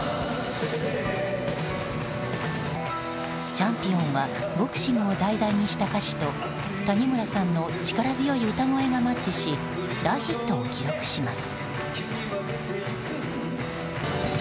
「チャンピオン」はボクシングを題材にした歌詞と谷村さんの力強い歌声がマッチし大ヒットを記録します。